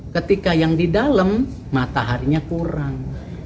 ketika yang di dalam mataharinya kurang